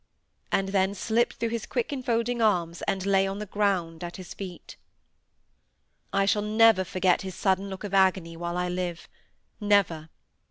and then slipped through his quick enfolding arms, and lay on the ground at his feet. I shall never forget his sudden look of agony while I live; never!